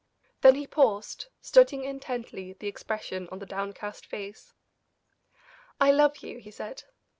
Then he paused, studying intently the expression on the downcast face. "I love you," he said.